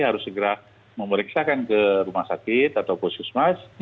harus segera memeriksakan ke rumah sakit atau posis mas